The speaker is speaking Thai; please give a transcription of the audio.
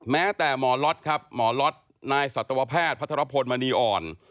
แม้แต่หมอล็อตครับหมอล็อตนายสัตวแพทย์พัทรพลมณีอ่อน